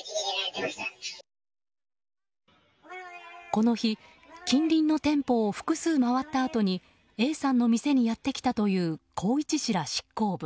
この日近隣の店舗を複数回ったあとにＡさんの店にやって来たという宏一氏ら執行部。